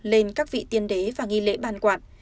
lên các vị tiên đế và nghi lễ ban quản